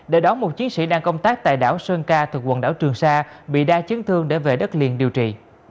để đón một chiến sĩ đang công tác tại đảo sơn ca thuộc quần đảo trường sa bị đa chấn thương để về đất liền điều trị